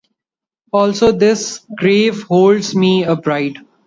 Also, that this grave holds me, a bride.